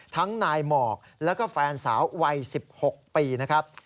ทั้งนายหมอกแล้วก็แฟนสาววัย๑๖ปีนะครับ